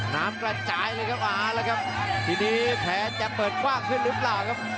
น่าจะปลีกขึ้นครับ